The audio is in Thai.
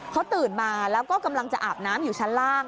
เขาตื่นมาแล้วก็กำลังจะอาบน้ำอยู่ชั้นล่าง